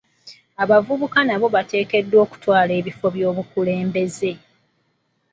Abavubuka nabo bateekeddwa okutwala ebifo by'obukulembeze.